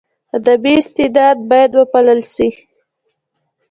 ادبي استعداد باید وپالل سي.